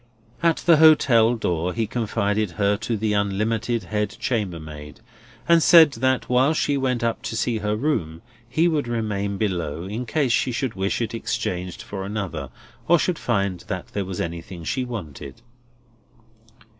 At the hotel door, he confided her to the Unlimited head chambermaid, and said that while she went up to see her room, he would remain below, in case she should wish it exchanged for another, or should find that there was anything she wanted.